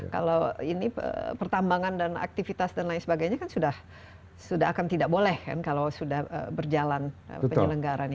kalau ini pertambangan dan aktivitas dan lain sebagainya kan sudah akan tidak boleh kan kalau sudah berjalan penyelenggarannya